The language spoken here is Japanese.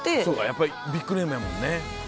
やっぱりビッグネームやもんね。